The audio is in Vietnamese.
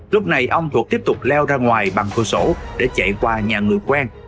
lúc này ông thuật tiếp tục leo ra ngoài bằng cửa sổ để chạy qua nhà người quen